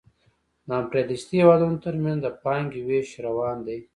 د امپریالیستي هېوادونو ترمنځ د پانګې وېش روان دی